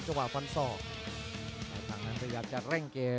จังหวาดึงซ้ายตายังดีอยู่ครับเพชรมงคล